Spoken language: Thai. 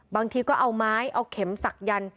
บางทีก็เอาไม้เอาเข็มศักดัน